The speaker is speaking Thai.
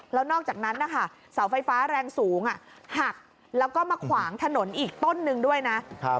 แล้วนอกจากนั้นนะคะเสาไฟฟ้าแรงสูงหักแล้วก็มาขวางถนนอีกต้นนึงด้วยนะ